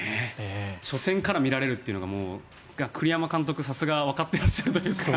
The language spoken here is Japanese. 初戦から見られるのが栗山監督、さすがわかっていらっしゃるというか。